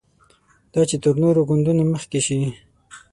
دا چې تر نورو ګوندونو مخکې شي.